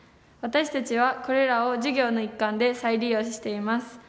私たちはこれらを授業の一環で再利用しています。